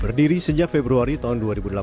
berdiri sejak februari tahun dua ribu delapan belas